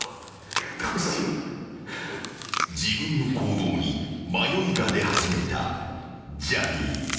［自分の行動に迷いが出始めたジャニーズ］